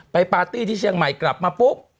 ปาร์ตี้ที่เชียงใหม่กลับมาปุ๊บ